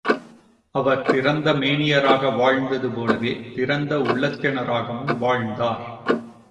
அவர் திறந்த மேனியராக வாழ்ந்தது போலவே, திறந்த உள்ளத்தினராகவும் வாழ்ந்தார்.